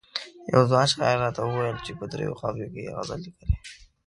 یوه ځوان شاعر راته وویل په دریو قافیو کې یې غزل لیکلی.